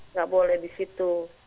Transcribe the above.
nggak boleh di situ